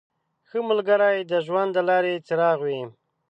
• ښه ملګری د ژوند د لارې څراغ وي.